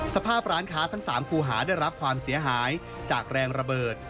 สภาพร้านค้าทั้ง๓คู่หาได้รับความเสียหายจากแรงระเบิด